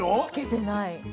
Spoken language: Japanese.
つけてない。